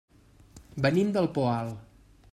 Venim del Poal.